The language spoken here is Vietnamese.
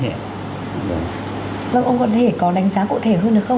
vâng ông có thể có đánh giá cụ thể hơn được không